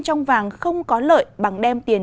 trong vàng không có lợi bằng đem tiền